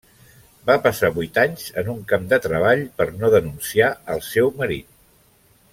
Va passar vuit anys en un camp de treball per no denunciar el seu marit.